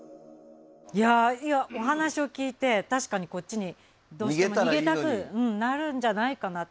いやお話を聞いて確かにこっちにどうしても逃げたくなるんじゃないかなって。